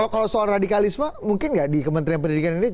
kalau soal radikalisme mungkin nggak di kementerian pendidikan ini